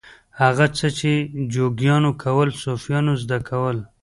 هغه څه چې جوګیانو کول صوفیانو زده کړل.